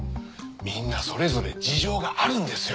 みんなそれぞれ事情があるんですよ。